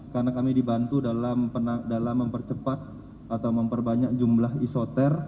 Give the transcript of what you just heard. karena kami dibantu dalam mempercepat atau memperbanyak jumlah isotar